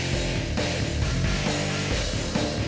tak ada perut sana